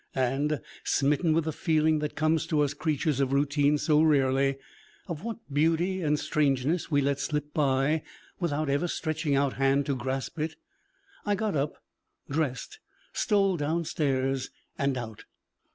And, smitten with the feeling that comes to us creatures of routine so rarely, of what beauty and strangeness we let slip by without ever stretching out hand to grasp it, I got up, dressed, stole downstairs, and out.